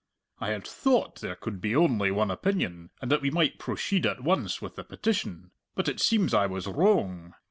I had thoat there could be only one opinion, and that we might prosheed at once with the petition. But it seems I was wroang.